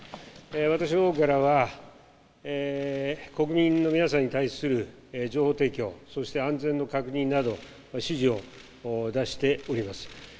私のほうからは国民の皆さんに対する情報提供、そして安全の確認など指示を出しております。